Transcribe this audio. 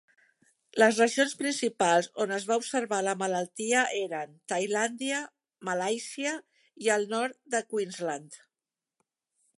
Les regions principals on es va observar la malaltia eren Tailàndia, Malàisia i el nord de Queensland.